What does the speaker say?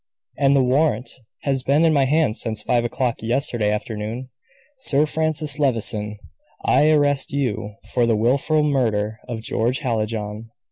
And the warrant has been in my hands since five o'clock yesterday afternoon. Sir Francis Levison, I arrest you for the wilful murder of George Hallijohn."